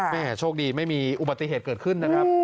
แม่โชคดีไม่มีอุบัติเหตุเกิดขึ้นนะครับ